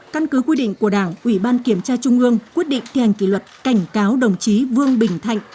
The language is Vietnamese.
căn cứ quy định của đảng ủy ban kiểm tra trung ương quyết định thi hành kỷ luật cảnh cáo đồng chí vương bình thạnh